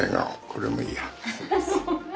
これもいいや。